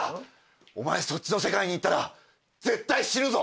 お前そっちの世界に行ったら絶対死ぬぞ！